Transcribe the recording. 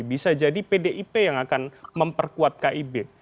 bisa jadi pdip yang akan memperkuat kib